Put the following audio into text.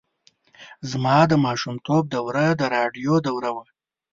زما د ماشومتوب دوره د راډیو دوره وه.